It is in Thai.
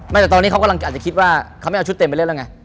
แต่ตอนนี้เขากำลังอาจจะคิดว่าเขาไม่เอาชุดเต็มไปเล่นแล้วไง